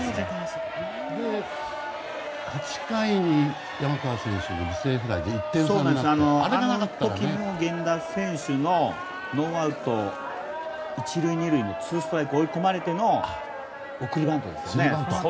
それで、８回に山川選手の犠牲フライであの時の源田選手のノーアウト１塁２塁のツーストライクに追い込まれての送りバントですよね。